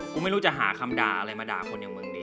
ไม่รู้จะหาคำด่าอะไรมาด่าคนอย่างมึงดี